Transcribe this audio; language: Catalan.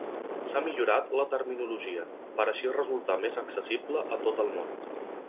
S'ha millorat la terminologia, per així resultar més accessible a tot el món.